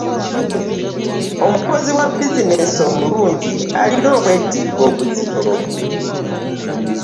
omukozi wa bizineesi omulungi alina okwetikka obuzito .